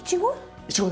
イチゴ？